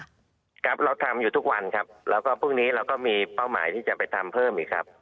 ครับครับเราทำอยู่ทุกวันครับแล้วก็พรุ่งนี้เราก็มีเป้าหมายที่จะไปทำเพิ่มอีกครับ